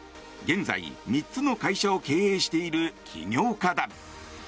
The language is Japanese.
現在、３つの会社を経営している起業家だ。